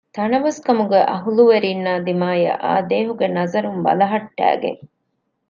ތަނަވަސްކަމުގެ އަހްލުވެރީންނާ ދިމާޔަށް އާދޭހުގެ ނަޒަރުން ބަލަހައްޓައިގެން